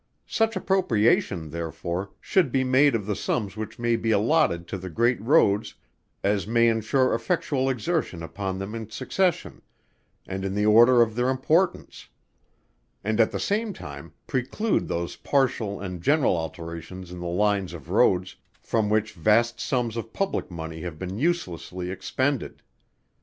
Such appropriation, therefore, should be made of the sums which may be allotted to the Great Roads as may ensure effectual exertion upon them in succession, and in the order of their importance; and at the same time preclude those partial and general alterations in the lines of Roads, from which vast sums of public money have been uselessly expended.